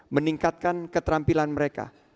meningkatkan keterampilan mereka